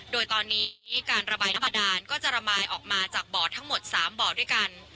โดยตอนนี้การระบายน้ำบาดานก็จะระบายออกมาจากบ่อทั้งหมด๓บ่อด้วยกัน